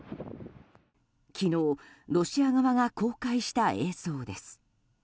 昨日ロシア側が公開した映像です。